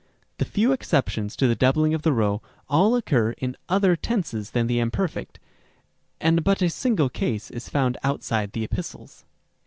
The few exceptions to the doubling of the p all occur in other tenses than the imperfect, and but a single case is found outside the epistles.